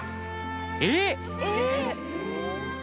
えっ！